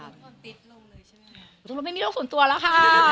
มันติดลงเลยใช่ไหมไม่มีโลกส่วนตัวแล้วค่ะ